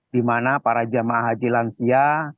dimana para jamaah haji lansia